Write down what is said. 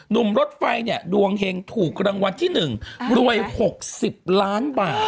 หนุ่มรถไฟเนี่ยดวงเห็งถูกรางวัลที่๑รวย๖๐ล้านบาท